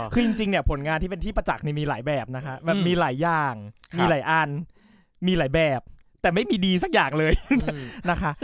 คือจริงเนี่ยผลงานที่เป็นที่ประจักษ์มีหลายแบบนะคะแบบมีหลายอย่างมีหลายอันมีหลายแบบแต่ไม่มีดีสักอย่างเลยนะคะ